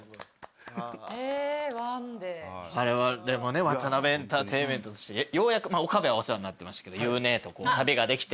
われわれもねワタナベエンターテインメントとしてようやくまあ岡部はお世話になってましたけどゆう姉と旅ができて。